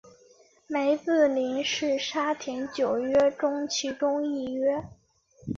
梅子林是沙田九约中其中一约。